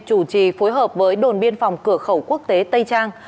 chủ trì phối hợp với đồn biên phòng cửa khẩu quốc tế tây trang